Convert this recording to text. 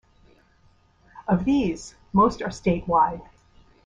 Of these, most are statewide.